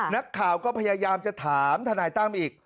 นักข่าวก็พยายามจะถามทนายตั้มอีก